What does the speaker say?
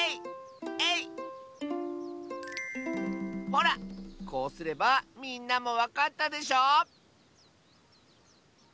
ほらこうすればみんなもわかったでしょ？